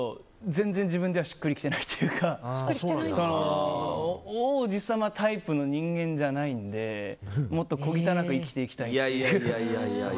全然自分ではしっくりきてないというか王子様タイプの人間じゃないのでもっと小汚く生きていきたいという。